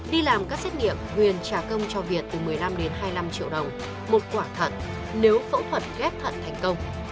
đi làm các xét nghiệm huyền trả công cho việt từ một mươi năm đến hai mươi năm triệu đồng một quả thận nếu phẫu thuật ghép thận thành công